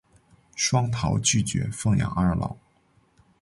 双桃拒绝奉养二老。